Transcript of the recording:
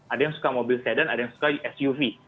ada yang suka mobil sedan ada yang suka suv